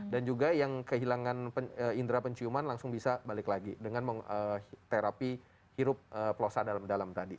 dan juga yang kehilangan indera penciuman langsung bisa balik lagi dengan terapi hirup plosa dalam dalam